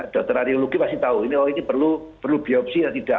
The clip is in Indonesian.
dokter alihurologi pasti tahu ini perlu biopsi atau tidak